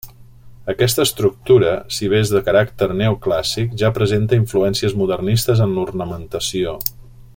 Aquesta estructura, si bé és de caràcter neoclàssic, ja presenta influències modernistes en l'ornamentació.